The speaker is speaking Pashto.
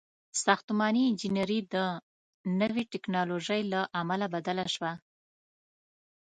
• ساختماني انجینري د نوې ټیکنالوژۍ له امله بدله شوه.